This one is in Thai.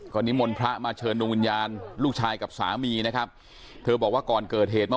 ก็นิมนต์พระมาเชิญดวงวิญญาณลูกชายกับสามีนะครับเธอบอกว่าก่อนเกิดเหตุเมื่อ